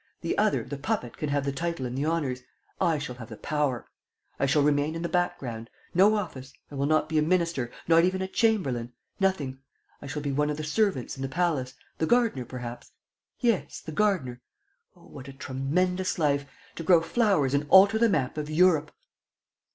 The other, the puppet can have the title and the honors. ... I shall have the power! ... I shall remain in the background. No office: I will not be a minister, nor even a chamberlain. Nothing. I shall be one of the servants in the palace, the gardener perhaps. ... Yes, the gardener. ... Oh, what a tremendous life! To grow flowers and alter the map of Europe!"